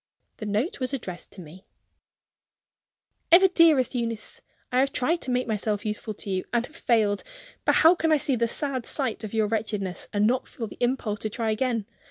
The note was addressed to me: "EVER DEAREST EUNEECE I have tried to make myself useful to you, and have failed. But how can I see the sad sight of your wretchedness, and not feel the impulse to try again?